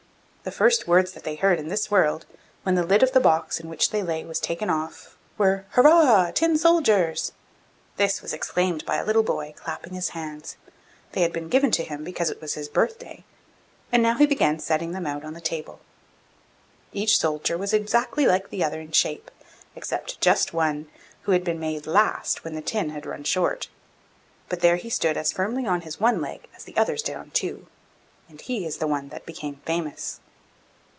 The first words that they heard in this world, when the lid of the box in which they lay was taken off, were: 'Hurrah, tin soldiers!' This was exclaimed by a little boy, clapping his hands; they had been given to him because it was his birthday, and now he began setting them out on the table. Each soldier was exactly like the other in shape, except just one, who had been made last when the tin had run short; but there he stood as firmly on his one leg as the others did on two, and he is the one that became famous.